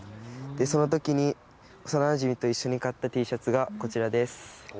そのときに幼なじみと買ったＴシャツがこちらです。